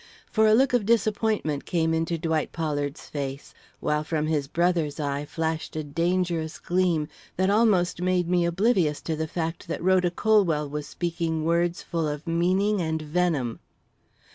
For a look of disappointment came into Dwight Pollard's face, while from his brother's eye flashed a dangerous gleam that almost made me oblivious to the fact that Rhoda. Colwell was speaking words full of meaning and venom.